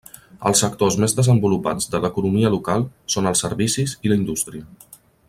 Els sectors més desenvolupats de l'economia local són els servicis i la indústria.